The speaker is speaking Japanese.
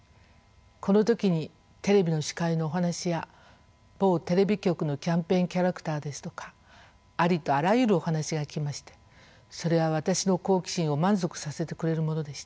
この時にテレビの司会のお話や某テレビ局のキャンペーンキャラクターですとかありとあらゆるお話が来ましてそれは私の好奇心を満足させてくれるものでした。